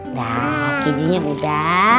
nah kejunya udah